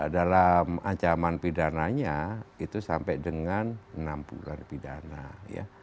dalam ancaman pidananya itu sampai dengan enam bulan pidana ya